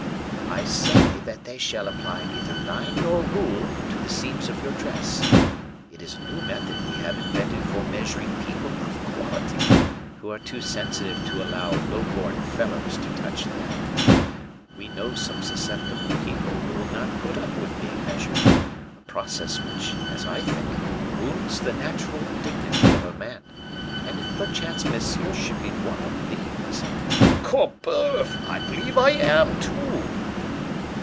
"I say that they shall apply neither line nor rule to the seams of your dress. It is a new method we have invented for measuring people of quality, who are too sensitive to allow low born fellows to touch them. We know some susceptible persons who will not put up with being measured, a process which, as I think, wounds the natural dignity of a man; and if perchance monsieur should be one of these " "Corboeuf! I believe I am too!"